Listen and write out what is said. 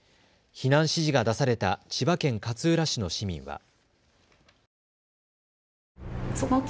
避難指示が出された千葉県勝浦市の市民は。